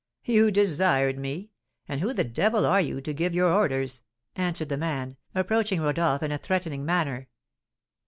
"You desired me! And who the devil are you, to give your orders?" answered the man, approaching Rodolph in a threatening manner.